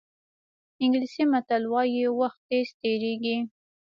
انګلیسي متل وایي وخت تېز تېرېږي.